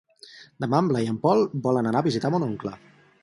Demà en Blai i en Pol volen anar a visitar mon oncle.